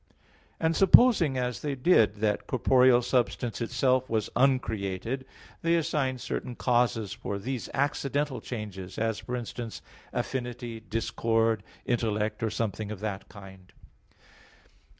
And supposing as they did that corporeal substance itself was uncreated, they assigned certain causes for these accidental changes, as for instance, affinity, discord, intellect, or something of that kind.